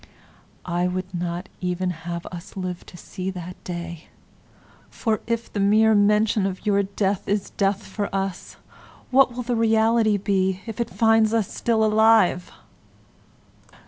I would not even have us live to see that day, for if the mere mention of your death is death for us, what will the reality be if it finds us still alive?